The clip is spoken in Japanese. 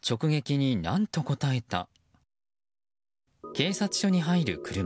警察署に入る車。